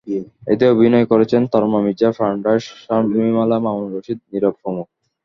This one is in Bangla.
এতে অভিনয় করেছেন তমা মির্জা, প্রাণ রায়, শর্মিমালা, মামুনুর রশীদ, নিরব প্রমুখ।